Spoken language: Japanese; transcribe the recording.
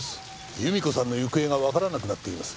由美子さんの行方がわからなくなっています。